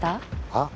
はっ？